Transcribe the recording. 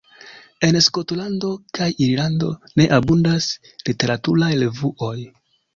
En Skotlando kaj Irlando ne abundas literaturaj revuoj.